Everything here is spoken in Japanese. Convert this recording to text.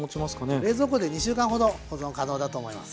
冷蔵庫で２週間ほど保存可能だと思います。